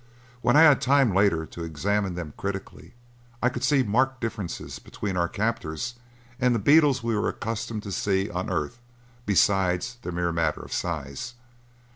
When I had time later to examine them critically, I could see marked differences between our captors and the beetles we were accustomed to see on the earth besides the mere matter of size.